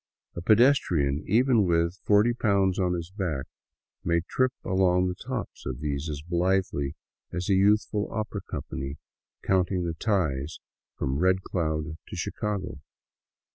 A pedestrian, even with forty pounds on his back, may trip along the tops of these as blithely as a youthful opera company counting the ties from Red Cloud to Chicago.